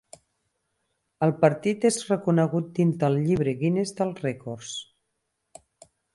El partit és reconegut dins del Llibre Guinness dels rècords.